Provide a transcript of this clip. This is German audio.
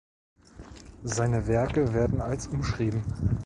Seine Werke werden als umschrieben.